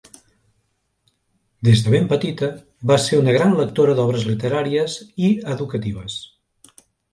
Des de ben petita va ser una gran lectora d'obres literàries i educatives.